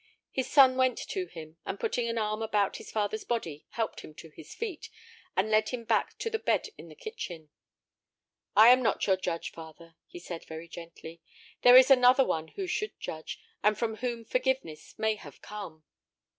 His son went to him, and, putting an arm about his father's body, helped him to his feet, and led him back to the bed in the kitchen. "I am not your judge, father," he said, very gently; "there is another one who should judge, and from whom forgiveness may have come."